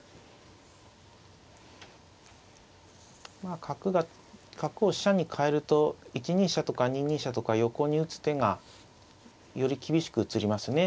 まあ角を飛車に換えると１二飛車とか２二飛車とか横に打つ手がより厳しく映りますね。